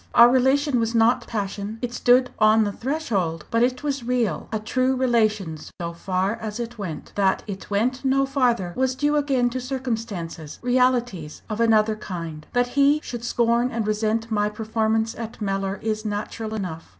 Our relation was not passion; it stood on the threshold but it was real a true relation so far as it went. That it went no farther was due again to circumstances realities of another kind. That he should scorn and resent my performance at Mellor is natural enough.